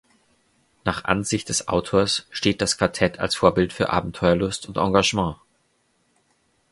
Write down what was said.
Nach Ansicht des Autors steht das Quartett als Vorbild für Abenteuerlust und Engagement.